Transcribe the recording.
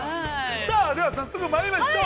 さあでは、早速まいりましょう！